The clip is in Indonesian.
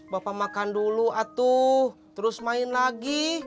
bapak makan dulu atuh terus main lagi